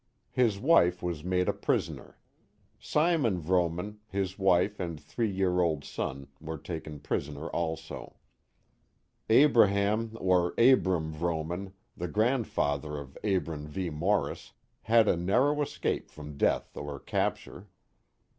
His wife was made a prisoner. Simon Vrooman, his wife and three year old son, were taken prisoners also. Abraham or Abram Vrooman, the grandfatlier of Abram V. Morris, had a narrow escape from death or capture.